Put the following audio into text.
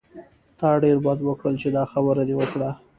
تا ډېر بد وکړل چې دا خبره دې وکړه.